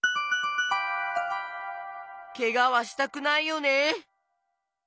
けがはしたくないよね。